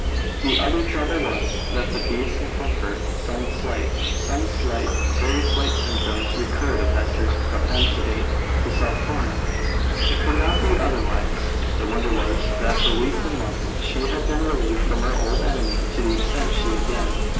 The other trouble was, that with peace and comfort, some slight, very slight symptoms recurred of Hester's propensity to self torment. It could not be otherwise. The wonder was, that for weeks and months she had been relieved from her old enemy to the extent she had been.